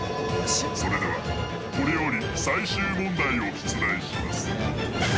それでは、これより最終問題を出題します。